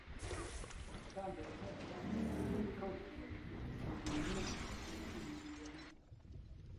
Fabric headbands are comfortable because they do not dig into the head.